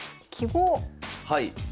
はい。